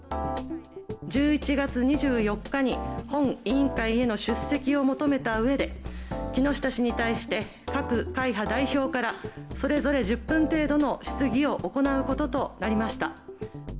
１１月２４日に本委員会への出席を求めたうえで、木下氏に対して、各会派代表から、それぞれ１０分程度の質疑を行うこととなりました。